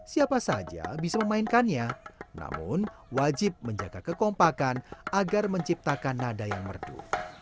siapa saja bisa memainkannya namun wajib menjaga kekompakan agar menciptakan nada yang merdu